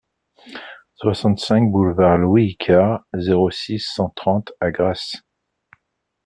soixante-cinq boulevard Louis Icard, zéro six, cent trente à Grasse